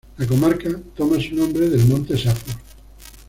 La comarca toma su nombre del monte Safor.